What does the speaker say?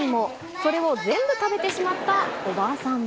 それを全部食べてしまったおばあさんは。